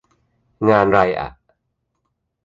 งานไรอะ